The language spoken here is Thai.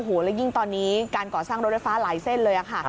โอ้โหแล้วยิ่งตอนนี้การก่อสร้างรถไฟฟ้าหลายเส้นเลยค่ะ